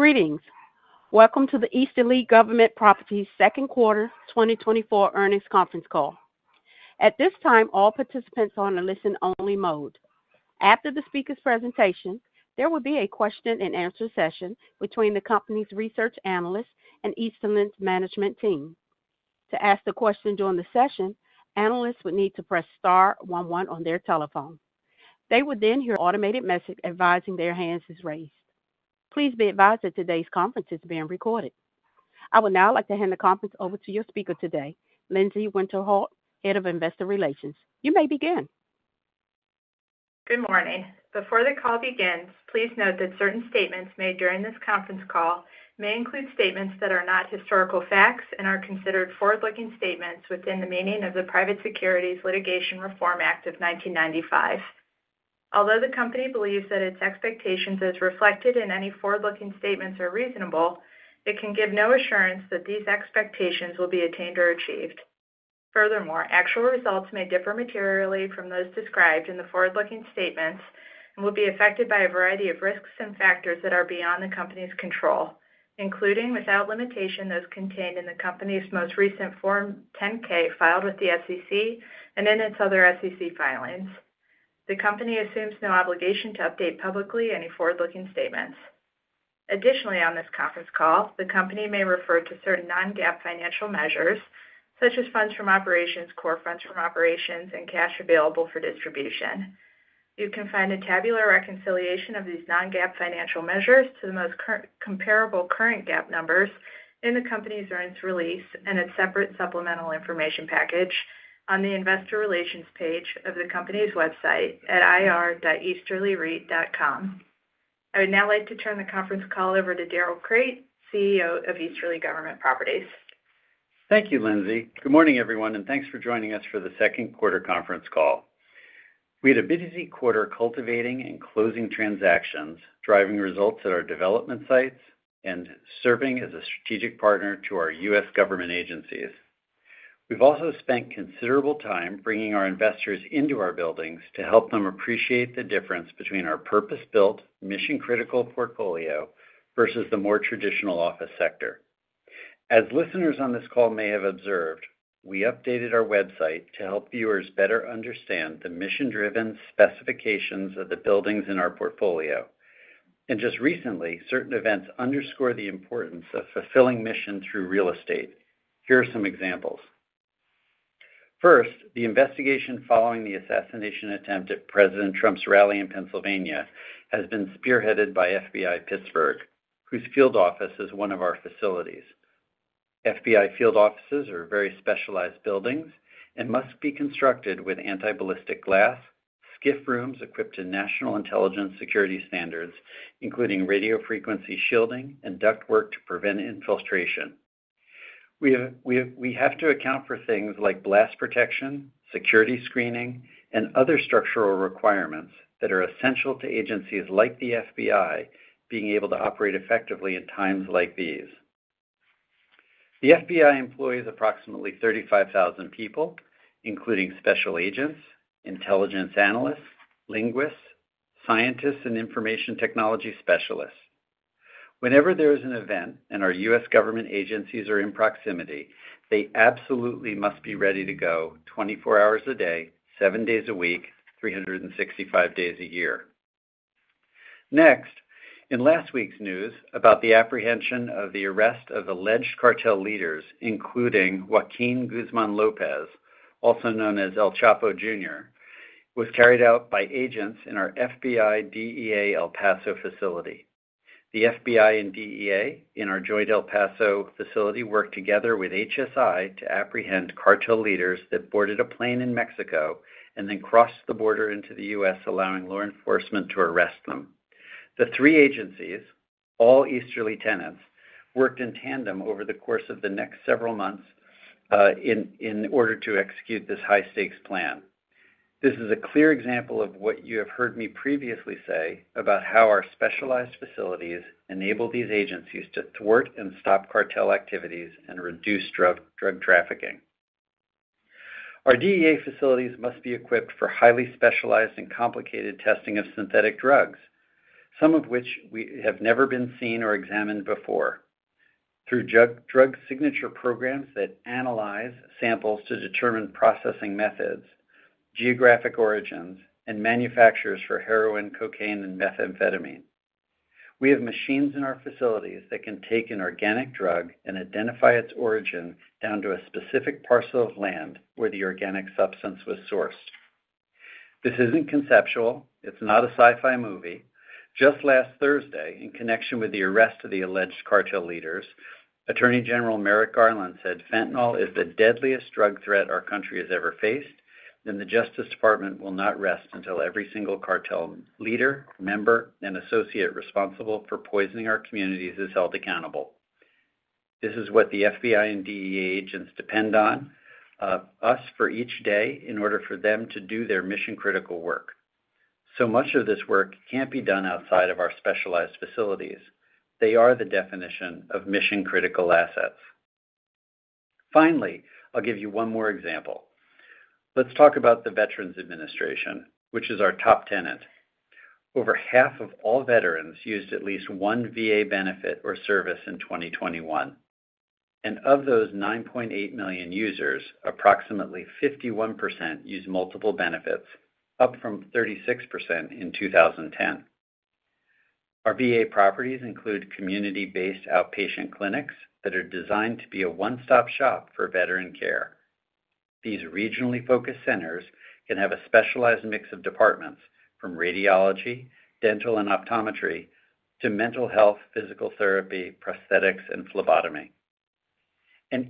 Greetings. Welcome to the Easterly Government Properties Second Quarter 2024 Earnings Conference Call. At this time, all participants are on a listen-only mode. After the speaker's presentation, there will be a question and answer session between the company's research analyst and Easterly's management team. To ask a question during the session, analysts would need to press star one one on their telephone. They would then hear an automated message advising their hands are raised. Please be advised that today's conference is being recorded. I would now like to hand the conference over to your speaker today, Lindsay Winterhalter, Head of Investor Relations. You may begin. Good morning. Before the call begins, please note that certain statements made during this conference call may include statements that are not historical facts and are considered forward-looking statements within the meaning of the Private Securities Litigation Reform Act of 1995. Although the company believes that its expectations, as reflected in any forward-looking statements, are reasonable, it can give no assurance that these expectations will be attained or achieved. Furthermore, actual results may differ materially from those described in the forward-looking statements and will be affected by a variety of risks and factors that are beyond the company's control, including, without limitation, those contained in the company's most recent Form 10-K filed with the SEC and in its other SEC filings. The company assumes no obligation to update publicly any forward-looking statements. Additionally, on this conference call, the company may refer to certain non-GAAP financial measures, such as Funds From Operations, Core Funds From Operations, and Cash Available for Distribution. You can find a tabular reconciliation of these non-GAAP financial measures to the most comparable current GAAP numbers in the company's earnings release and a separate supplemental information package on the Investor Relations page of the company's website at ir.easterlyreit.com. I would now like to turn the conference call over to Darrell Crate, CEO of Easterly Government Properties. Thank you, Lindsay. Good morning, everyone, and thanks for joining us for the Second Quarter Conference Call. We had a busy quarter cultivating and closing transactions, driving results at our development sites, and serving as a strategic partner to our U.S. government agencies. We've also spent considerable time bringing our investors into our buildings to help them appreciate the difference between our purpose-built, mission-critical portfolio versus the more traditional office sector. As listeners on this call may have observed, we updated our website to help viewers better understand the mission-driven specifications of the buildings in our portfolio. And just recently, certain events underscore the importance of fulfilling mission through real estate. Here are some examples. First, the investigation following the assassination attempt at President Trump's rally in Pennsylvania has been spearheaded by FBI Pittsburgh, whose field office is one of our facilities. FBI field offices are very specialized buildings and must be constructed with anti-ballistic glass, SCIF rooms equipped to national intelligence security standards, including radio frequency shielding and ductwork to prevent infiltration. We have to account for things like blast protection, security screening, and other structural requirements that are essential to agencies like the FBI being able to operate effectively in times like these. The FBI employs approximately 35,000 people, including special agents, intelligence analysts, linguists, scientists, and information technology specialists. Whenever there is an event and our U.S. government agencies are in proximity, they absolutely must be ready to go 24 hours a day, 7 days a week, 365 days a year. Next, in last week's news about the apprehension of the arrest of alleged cartel leaders, including Joaquin Guzman-Lopez, also known as El Chapo Jr., was carried out by agents in our FBI DEA El Paso facility. The FBI and DEA in our joint El Paso facility worked together with HSI to apprehend cartel leaders that boarded a plane in Mexico and then crossed the border into the U.S., allowing law enforcement to arrest them. The three agencies, all Easterly tenants, worked in tandem over the course of the next several months in order to execute this high-stakes plan. This is a clear example of what you have heard me previously say about how our specialized facilities enable these agencies to thwart and stop cartel activities and reduce drug trafficking. Our DEA facilities must be equipped for highly specialized and complicated testing of synthetic drugs, some of which have never been seen or examined before, through drug signature programs that analyze samples to determine processing methods, geographic origins, and manufacturers for heroin, cocaine, and methamphetamine. We have machines in our facilities that can take an organic drug and identify its origin down to a specific parcel of land where the organic substance was sourced. This isn't conceptual. It's not a sci-fi movie. Just last Thursday, in connection with the arrest of the alleged cartel leaders, Attorney General Merrick Garland said, "Fentanyl is the deadliest drug threat our country has ever faced, and the Justice Department will not rest until every single cartel leader, member, and associate responsible for poisoning our communities is held accountable." This is what the FBI and DEA agents depend on us for each day in order for them to do their mission-critical work. So much of this work can't be done outside of our specialized facilities. They are the definition of mission-critical assets. Finally, I'll give you one more example. Let's talk about the Veterans Administration, which is our top tenant. Over half of all veterans used at least one VA benefit or service in 2021. Of those 9.8 million users, approximately 51% used multiple benefits, up from 36% in 2010. Our VA properties include community-based outpatient clinics that are designed to be a one-stop shop for veteran care. These regionally focused centers can have a specialized mix of departments from radiology, dental and optometry, to mental health, physical therapy, prosthetics, and phlebotomy.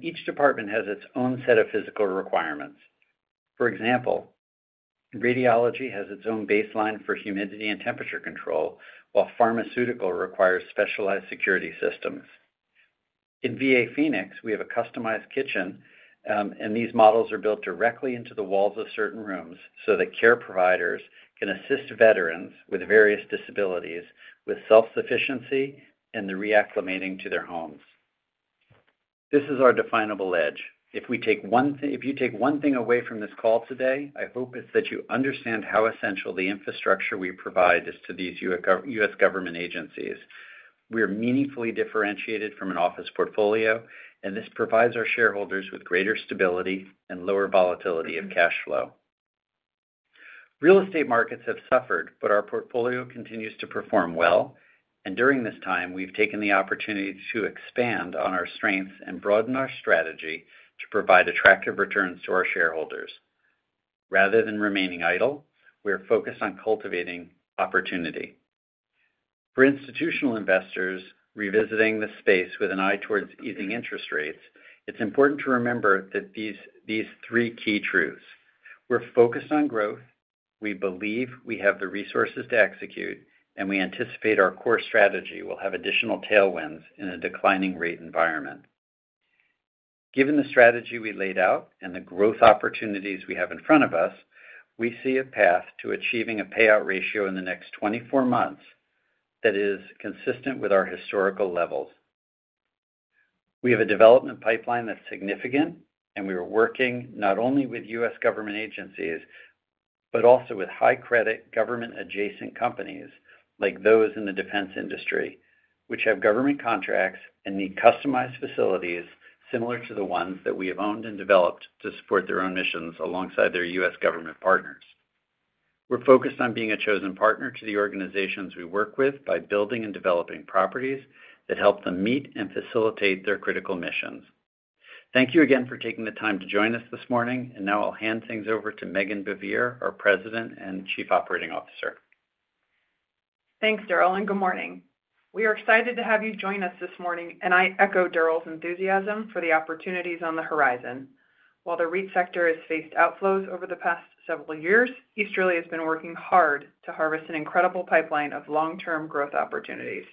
Each department has its own set of physical requirements. For example, radiology has its own baseline for humidity and temperature control, while pharmaceutical requires specialized security systems. In VA Phoenix, we have a customized kitchen, and these models are built directly into the walls of certain rooms so that care providers can assist veterans with various disabilities with self-sufficiency and the reacclimating to their homes. This is our definable edge. If you take one thing away from this call today, I hope it's that you understand how essential the infrastructure we provide is to these U.S. government agencies. We are meaningfully differentiated from an office portfolio, and this provides our shareholders with greater stability and lower volatility of cash flow. Real estate markets have suffered, but our portfolio continues to perform well. During this time, we've taken the opportunity to expand on our strengths and broaden our strategy to provide attractive returns to our shareholders. Rather than remaining idle, we're focused on cultivating opportunity. For institutional investors revisiting the space with an eye towards easing interest rates, it's important to remember that these three key truths: we're focused on growth, we believe we have the resources to execute, and we anticipate our core strategy will have additional tailwinds in a declining rate environment. Given the strategy we laid out and the growth opportunities we have in front of us, we see a path to achieving a payout ratio in the next 24 months that is consistent with our historical levels. We have a development pipeline that's significant, and we are working not only with U.S. government agencies but also with high-credit government-adjacent companies like those in the defense industry, which have government contracts and need customized facilities similar to the ones that we have owned and developed to support their own missions alongside their U.S. government partners. We're focused on being a chosen partner to the organizations we work with by building and developing properties that help them meet and facilitate their critical missions. Thank you again for taking the time to join us this morning. Now I'll hand things over to Meghan Baivier, our President and Chief Operating Officer. Thanks, Darrell, and good morning. We are excited to have you join us this morning, and I echo Darrell's enthusiasm for the opportunities on the horizon. While the REIT sector has faced outflows over the past several years, Easterly has been working hard to harvest an incredible pipeline of long-term growth opportunities.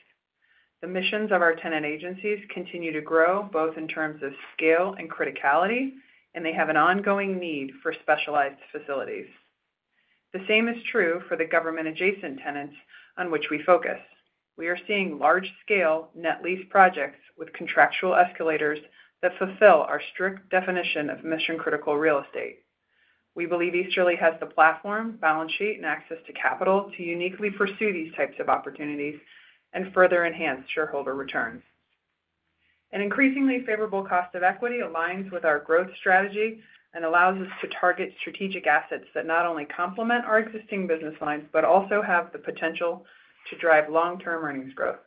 The missions of our tenant agencies continue to grow both in terms of scale and criticality, and they have an ongoing need for specialized facilities. The same is true for the government-adjacent tenants on which we focus. We are seeing large-scale net lease projects with contractual escalators that fulfill our strict definition of mission-critical real estate. We believe Easterly has the platform, balance sheet, and access to capital to uniquely pursue these types of opportunities and further enhance shareholder returns. An increasingly favorable cost of equity aligns with our growth strategy and allows us to target strategic assets that not only complement our existing business lines but also have the potential to drive long-term earnings growth.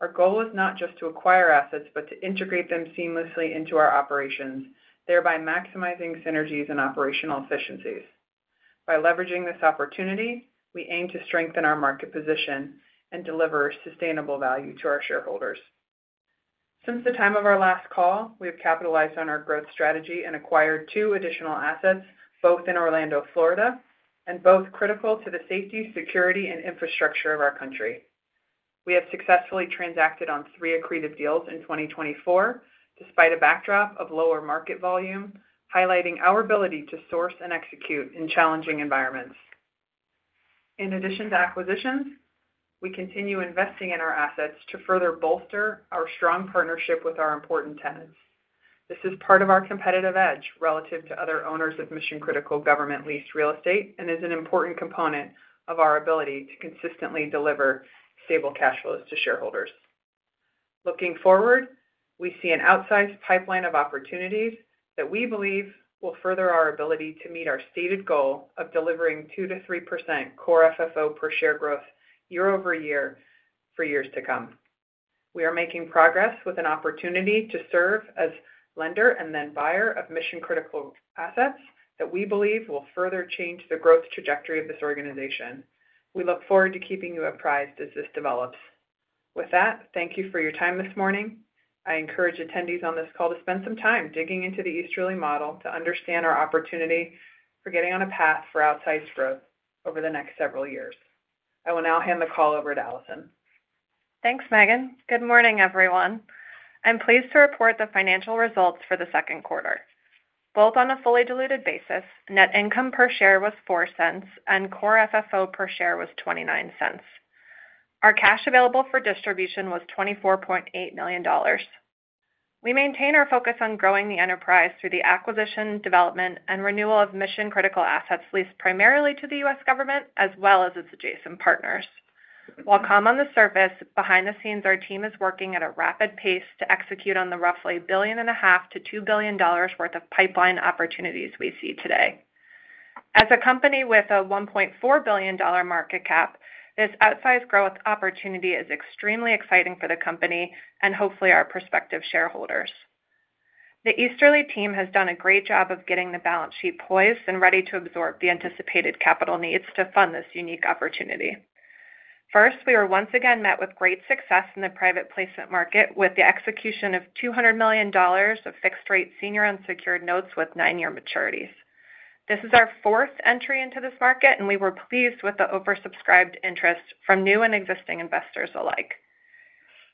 Our goal is not just to acquire assets but to integrate them seamlessly into our operations, thereby maximizing synergies and operational efficiencies. By leveraging this opportunity, we aim to strengthen our market position and deliver sustainable value to our shareholders. Since the time of our last call, we have capitalized on our growth strategy and acquired two additional assets, both in Orlando, Florida, and both critical to the safety, security, and infrastructure of our country. We have successfully transacted on three accretive deals in 2024, despite a backdrop of lower market volume, highlighting our ability to source and execute in challenging environments. In addition to acquisitions, we continue investing in our assets to further bolster our strong partnership with our important tenants. This is part of our competitive edge relative to other owners of mission-critical government-leased real estate and is an important component of our ability to consistently deliver stable cash flows to shareholders. Looking forward, we see an outsized pipeline of opportunities that we believe will further our ability to meet our stated goal of delivering 2%-3% Core FFO per share growth YoY for years to come. We are making progress with an opportunity to serve as lender and then buyer of mission-critical assets that we believe will further change the growth trajectory of this organization. We look forward to keeping you apprised as this develops. With that, thank you for your time this morning. I encourage attendees on this call to spend some time digging into the Easterly model to understand our opportunity for getting on a path for outsized growth over the next several years. I will now hand the call over to Allison. Thanks, Meghan. Good morning, everyone. I'm pleased to report the financial results for the second quarter. Both on a fully diluted basis, net income per share was $0.04 and Core FFO per share was $0.29. Our cash available for distribution was $24.8 million. We maintain our focus on growing the enterprise through the acquisition, development, and renewal of mission-critical assets leased primarily to the U.S. government as well as its adjacent partners. While calm on the surface, behind the scenes, our team is working at a rapid pace to execute on the roughly $1.5 billion-$2 billion worth of pipeline opportunities we see today. As a company with a $1.4 billion market cap, this outsized growth opportunity is extremely exciting for the company and hopefully our prospective shareholders. The Easterly team has done a great job of getting the balance sheet poised and ready to absorb the anticipated capital needs to fund this unique opportunity. First, we are once again met with great success in the private placement market with the execution of $200 million of fixed-rate senior unsecured notes with nine-year maturities. This is our fourth entry into this market, and we were pleased with the oversubscribed interest from new and existing investors alike.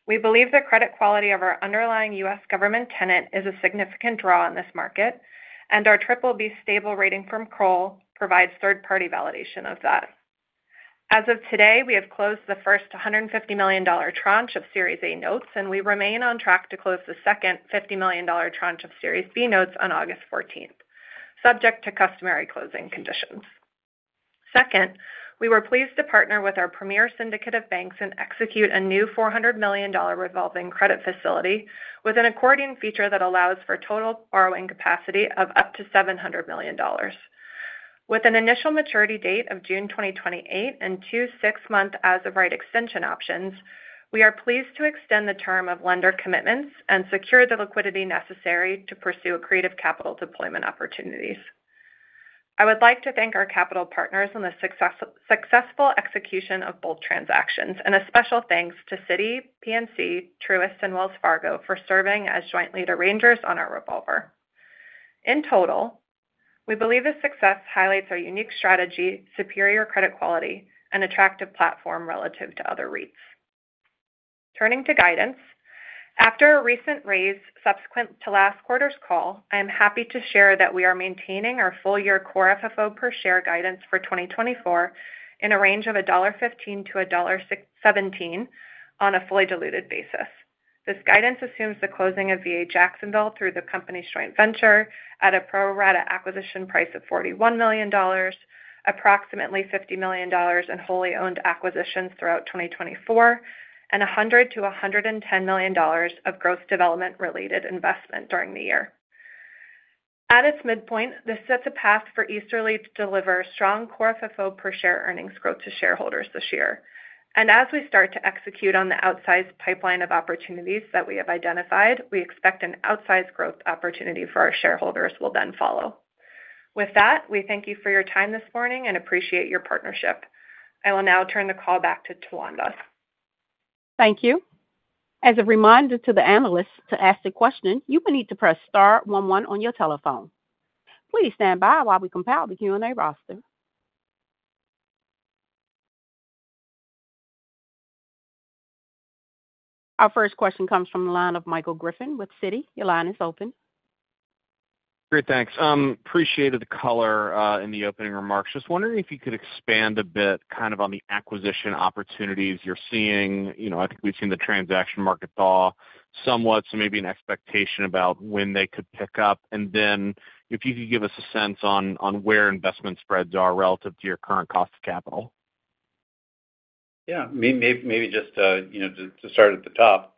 We believe the credit quality of our underlying U.S. government tenant is a significant draw in this market, and our BBB stable rating from Kroll provides third-party validation of that. As of today, we have closed the first $150 million tranche of Series A notes, and we remain on track to close the second $50 million tranche of Series B notes on August 14, subject to customary closing conditions. Second, we were pleased to partner with our premier syndicate of banks and execute a new $400 million revolving credit facility with an accordion feature that allows for total borrowing capacity of up to $700 million. With an initial maturity date of June 2028 and two six-month as-of-right extension options, we are pleased to extend the term of lender commitments and secure the liquidity necessary to pursue accretive capital deployment opportunities. I would like to thank our capital partners on the successful execution of both transactions and a special thanks to Citi, PNC, Truist, and Wells Fargo for serving as joint lead arrangers on our revolver. In total, we believe this success highlights our unique strategy, superior credit quality, and attractive platform relative to other REITs. Turning to guidance, after a recent raise subsequent to last quarter's call, I am happy to share that we are maintaining our full-year Core FFO per share guidance for 2024 in a range of $1.15-$1.17 on a fully diluted basis. This guidance assumes the closing of VA Jacksonville through the company's joint venture at a pro rata acquisition price of $41 million, approximately $50 million in wholly owned acquisitions throughout 2024, and $100 million-$110 million of growth development-related investment during the year. At its midpoint, this sets a path for Easterly to deliver strong Core FFO per share earnings growth to shareholders this year. As we start to execute on the outsized pipeline of opportunities that we have identified, we expect an outsized growth opportunity for our shareholders will then follow. With that, we thank you for your time this morning and appreciate your partnership. I will now turn the call back to Tawanda. Thank you. As a reminder to the analysts to ask the question, you will need to press star one one on your telephone. Please stand by while we compile the Q&A roster. Our first question comes from the line of Michael Griffin with Citi. Your line is open. Great. Thanks. Appreciated the color in the opening remarks. Just wondering if you could expand a bit kind of on the acquisition opportunities you're seeing? I think we've seen the transaction market thaw somewhat, so maybe an expectation about when they could pick up? And then if you could give us a sense on where investment spreads are relative to your current cost of capital? Yeah. Maybe just to start at the top,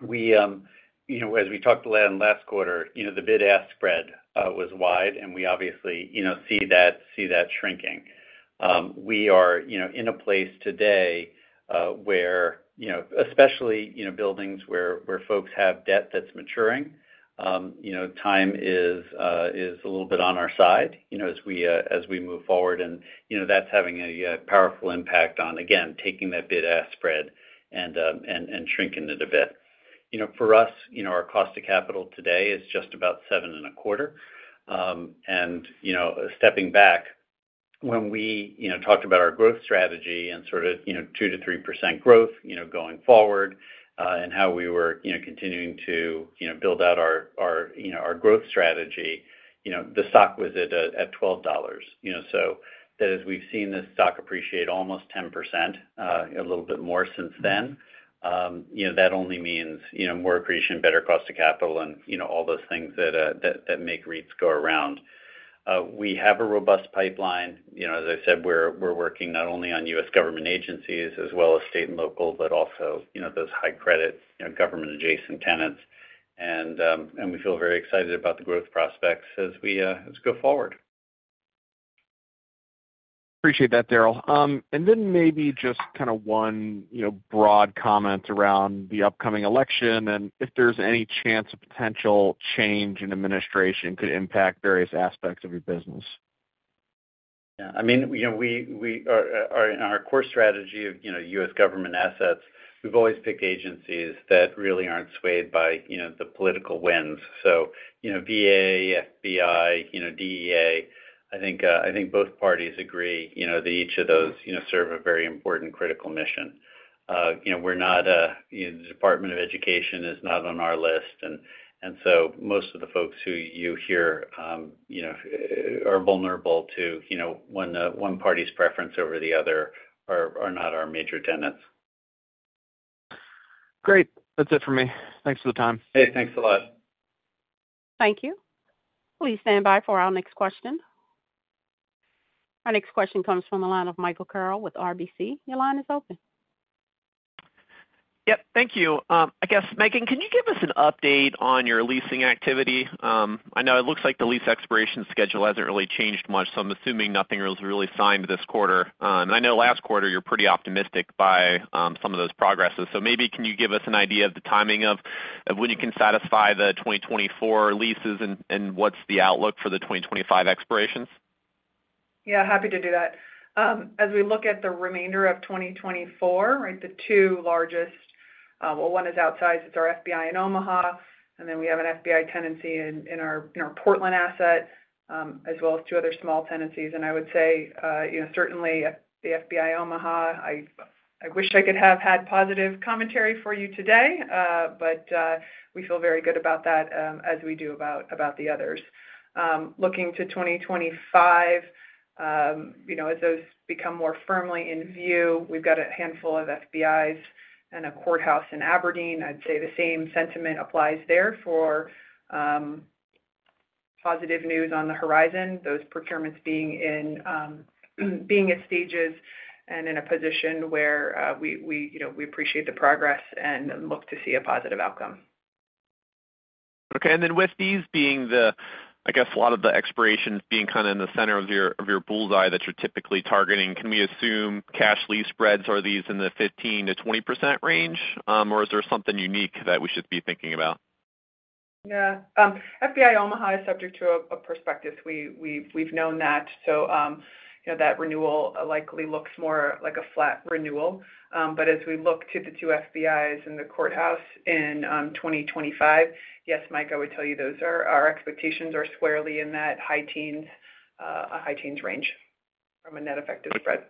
as we talked about last quarter, the bid-ask spread was wide, and we obviously see that shrinking. We are in a place today where, especially buildings where folks have debt that's maturing, time is a little bit on our side as we move forward. And that's having a powerful impact on, again, taking that bid-ask spread and shrinking it a bit. For us, our cost of capital today is just about 7.25%. And stepping back, when we talked about our growth strategy and sort of 2%-3% growth going forward and how we were continuing to build out our growth strategy, the stock was at $12. So that as we've seen this stock appreciate almost 10%, a little bit more since then, that only means more accretion, better cost of capital, and all those things that make REITs go around. We have a robust pipeline. As I said, we're working not only on U.S. government agencies as well as state and local, but also those high-credit government-adjacent tenants. We feel very excited about the growth prospects as we go forward. Appreciate that, Darrell. And then maybe just kind of one broad comment around the upcoming election and if there's any chance of potential change in administration could impact various aspects of your business? Yeah. I mean, in our core strategy of U.S. government assets, we've always picked agencies that really aren't swayed by the political winds. So VA, FBI, DEA, I think both parties agree that each of those serve a very important critical mission. We're not. A Department of Education is not on our list. And so most of the folks who you hear are vulnerable to one party's preference over the other are not our major tenants. Great. That's it for me. Thanks for the time. Hey, thanks a lot. Thank you. Please stand by for our next question. Our next question comes from the line of Michael Carroll with RBC. Your line is open. Yep. Thank you. I guess, Meghan, can you give us an update on your leasing activity? I know it looks like the lease expiration schedule hasn't really changed much, so I'm assuming nothing was really signed this quarter. I know last quarter you're pretty optimistic by some of those progresses. Maybe can you give us an idea of the timing of when you can satisfy the 2024 leases and what's the outlook for the 2025 expirations? Yeah. Happy to do that. As we look at the remainder of 2024, the two largest, well, one is outsized. It's our FBI in Omaha. And then we have an FBI tenancy in our Portland asset as well as two other small tenancies. And I would say certainly the FBI Omaha, I wish I could have had positive commentary for you today, but we feel very good about that as we do about the others. Looking to 2025, as those become more firmly in view, we've got a handful of FBIs and a courthouse in Aberdeen. I'd say the same sentiment applies there for positive news on the horizon, those procurements being at stages and in a position where we appreciate the progress and look to see a positive outcome. Okay. And then with these being the, I guess, a lot of the expirations being kind of in the center of your bull's eye that you're typically targeting, can we assume cash lease spreads are these in the 15%-20% range, or is there something unique that we should be thinking about? Yeah. FBI Omaha is subject to a prospectus. We've known that. So that renewal likely looks more like a flat renewal. But as we look to the two FBIs and the courthouse in 2025, yes, Mike, I would tell you those are our expectations are squarely in that high teens, a high teens range from a net effective spread.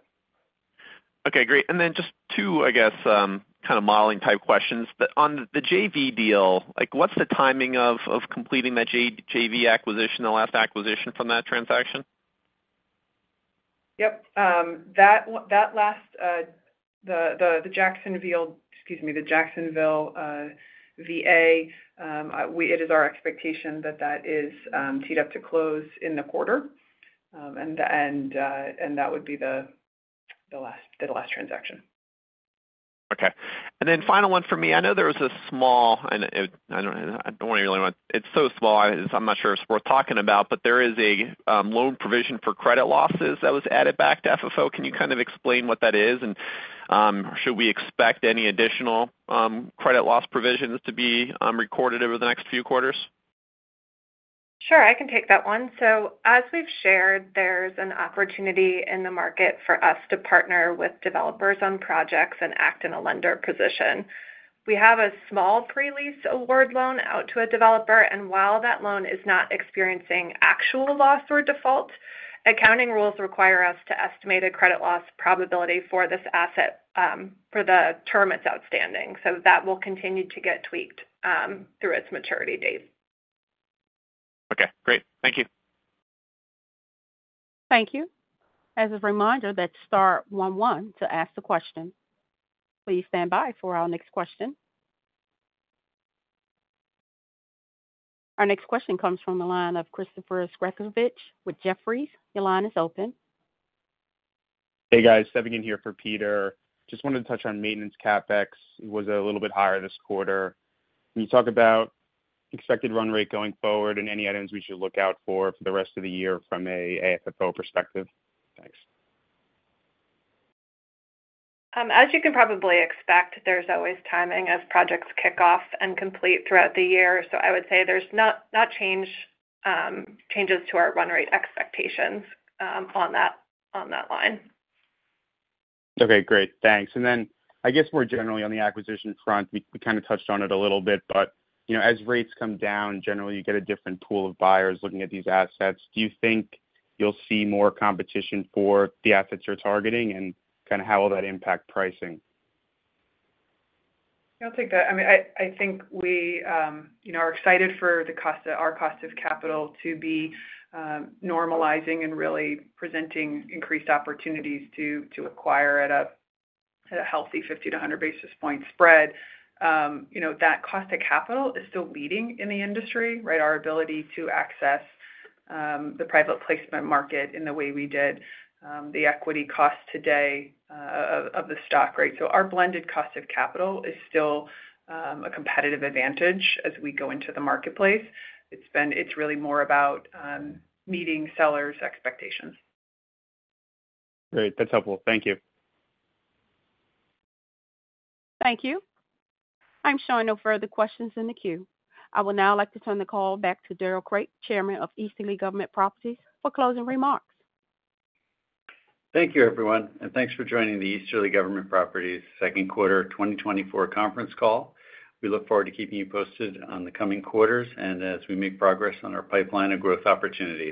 Okay. Great. And then just two, I guess, kind of modeling-type questions. On the JV deal, what's the timing of completing that JV acquisition, the last acquisition from that transaction? Yep. That last, the Jacksonville, excuse me, the Jacksonville VA, it is our expectation that that is teed up to close in the quarter. And that would be the last transaction. Okay. And then final one for me. I know there was a small, I don't really want to, it's so small, I'm not sure if it's worth talking about, but there is a loan provision for credit losses that was added back to FFO. Can you kind of explain what that is, and should we expect any additional credit loss provisions to be recorded over the next few quarters? Sure. I can take that one. As we've shared, there's an opportunity in the market for us to partner with developers on projects and act in a lender position. We have a small pre-lease award loan out to a developer. While that loan is not experiencing actual loss or default, accounting rules require us to estimate a credit loss probability for this asset for the term it's outstanding. That will continue to get tweaked through its maturity days. Okay. Great. Thank you. Thank you. As a reminder, that's star one one to ask the question. Please stand by for our next question. Our next question comes from the line of Peter Abramowitz with Jefferies. Your line is open. Hey, guys. Steven here for Peter. Just wanted to touch on maintenance CapEx. It was a little bit higher this quarter. Can you talk about expected run rate going forward and any items we should look out for the rest of the year from an AFFO perspective? Thanks. As you can probably expect, there's always timing as projects kick off and complete throughout the year. I would say there's not changes to our run rate expectations on that line. Okay. Great. Thanks. And then I guess more generally on the acquisition front, we kind of touched on it a little bit, but as rates come down, generally, you get a different pool of buyers looking at these assets. Do you think you'll see more competition for the assets you're targeting and kind of how will that impact pricing? I'll take that. I mean, I think we are excited for our cost of capital to be normalizing and really presenting increased opportunities to acquire at a healthy 50-100 basis point spread. That cost of capital is still leading in the industry, right? Our ability to access the private placement market in the way we did, the equity cost today of the stock, right? So our blended cost of capital is still a competitive advantage as we go into the marketplace. It's really more about meeting sellers' expectations. Great. That's helpful. Thank you. Thank you. I'm showing no further questions in the queue. I would now like to turn the call back to Darrell Crate, Chairman of Easterly Government Properties, for closing remarks. Thank you, everyone. Thanks for joining the Easterly Government Properties Second Quarter 2024 Conference Call. We look forward to keeping you posted on the coming quarters and as we make progress on our pipeline of growth opportunities.